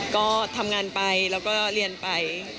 ก็ทำงานไปแล้วก็เรียนไป